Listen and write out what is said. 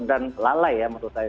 lalai ya menurut saya